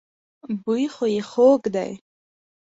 بوی خو يې خوږ دی.